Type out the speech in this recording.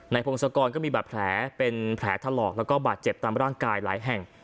พงศกรก็มีบาดแผลเป็นแผลถลอกแล้วก็บาดเจ็บตามร่างกายหลายแห่ง